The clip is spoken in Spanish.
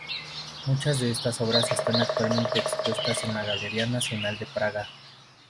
Muchas de estas obras están actualmente expuestas en la Galería Nacional de Praga.